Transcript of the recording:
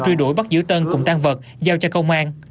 truy đuổi bắt giữ tân cùng tan vật giao cho công an